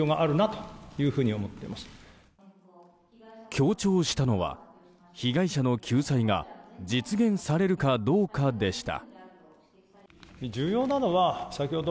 強調したのは、被害者の救済が実現されるかどうかでした。